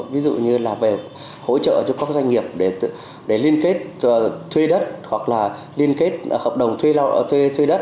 ví dụ như là về hỗ trợ cho các doanh nghiệp để liên kết thuê đất hoặc là liên kết hợp đồng thuê đất